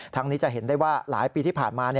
นี้จะเห็นได้ว่าหลายปีที่ผ่านมา